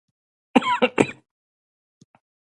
د کونړ وریجې د سیند په غاړه کیږي.